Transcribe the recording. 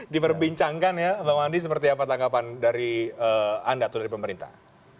diperbincangkan ya bang andi seperti apa tanggapan dari anda atau dari pemerintah